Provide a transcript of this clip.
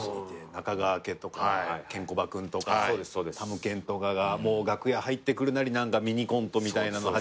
中川家とかケンコバ君とかたむけんとかがもう楽屋入ってくるなりミニコントみたいなの始めて。